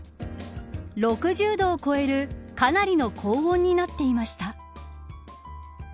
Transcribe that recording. ６０度を超えるかなりの高温になっていました。